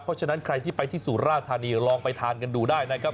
เพราะฉะนั้นใครที่ไปที่สุราธานีลองไปทานกันดูได้นะครับ